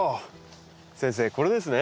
先生これですね？